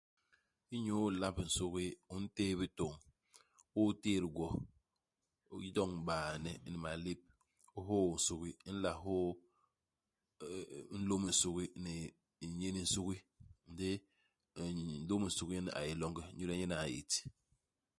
Inyu ilamb nsugi, u ntéé bitôñ, u tét gwo, u yoñ baene ni malép, u hôô nsugi. U nla hôô eeh nlôm nsugi ni ni ñin u nsugi, ndi nn nlôm nsugi nyen a yé longe, inyu le nyen a ñét.